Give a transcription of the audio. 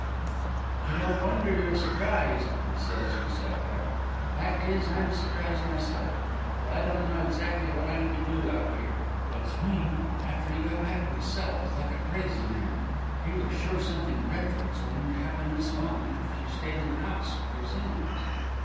"I don't wonder you're surprised," he said, as we sat down. "Fact is, I'm surprised myself, for I don't know exactly what I'm to do out here. But Swain, after he got back to his cell, was like a crazy man; he was sure something dreadful was going to happen to Miss Vaughan if she stayed in the house with those Hindus.